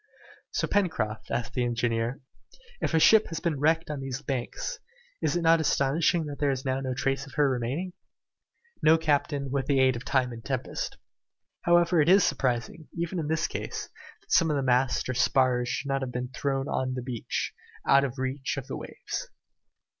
"So, Pencroft," asked the engineer, "if a ship has been wrecked on these banks, is it not astonishing that there is now no trace of her remaining?" "No, captain, with the aid of time and tempest. However, it would be surprising, even in this case, that some of the masts or spars should not have been thrown on the beach, out of reach of the waves."